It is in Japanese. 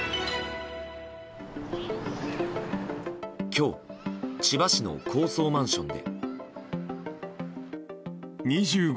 今日千葉市の高層マンションで。